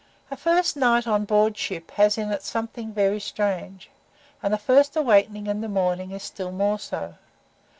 A first night on board ship has in it something very strange, and the first awakening in the morning is still more so.